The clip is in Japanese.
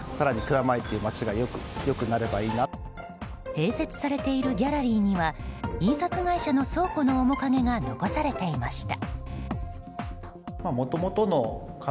併設されているギャラリーには印刷会社の倉庫の面影が残されていました。